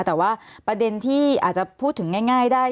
แต่ว่าประเด็นที่อาจจะพูดถึงง่ายได้